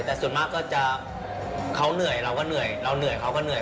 แต่ส่วนมากก็จะเขาเหนื่อยเราก็เหนื่อยเราเหนื่อยเขาก็เหนื่อย